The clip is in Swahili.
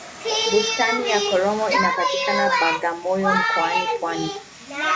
bustani ya karomo inapatikana bagamoyo mkoani pwani